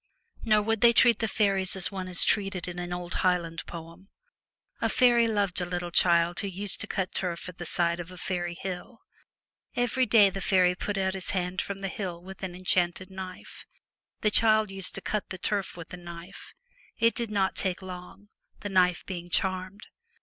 Nor would they treat the faeries as one is treated in an old Highland poem. A faery loved a little child who used to cut turf at the side of a faery hill. Every day the faery put out his hand from the hill with an enchanted knife. The child used to cut the turf with the knife. It did not take long, the knife being charmed.